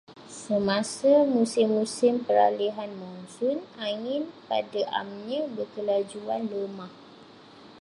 Semasa musim-musim peralihan monsun, angin pada amnya berkelajuan lemah.